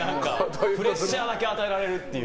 プレッシャーだけ与えられるという。